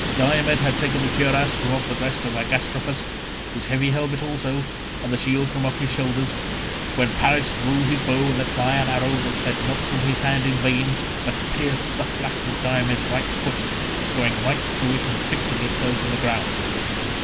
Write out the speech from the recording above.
Diomed had taken the cuirass from off the breast of Agastrophus, his heavy helmet also, and the shield from off his shoulders, when Paris drew his bow and let fly an arrow that sped not from his hand in vain, but pierced the flat of Diomed's right foot, going right through it and fixing itself in the ground.